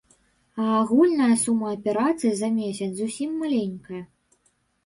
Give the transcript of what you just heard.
А агульная сума аперацый за месяц зусім маленькая.